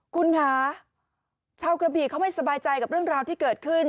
คุณค่ะชาวกระบี่เขาไม่สบายใจกับเรื่องราวที่เกิดขึ้น